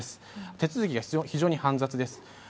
手続きが非常に煩雑です。